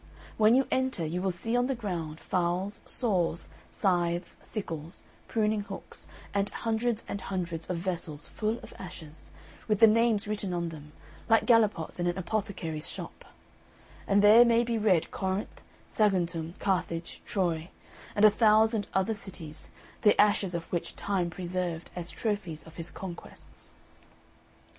When you enter, you will see on the ground, files, saws, scythes, sickles, pruning hooks, and hundreds and hundreds of vessels full of ashes, with the names written on them, like gallipots in an apothecary's shop; and there may be read Corinth, Saguntum, Carthage, Troy, and a thousand other cities, the ashes of which Time preserved as trophies of his conquests.